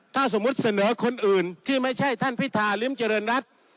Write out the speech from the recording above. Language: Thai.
ถ้าสมมุติเสนอคนอื่นที่ไม่ใช่ท่านพิธาริมเจริญรัฐ